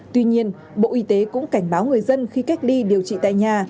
tuy nhiên bộ y tế cũng cảnh báo người dân khi cách ly điều trị tại nhà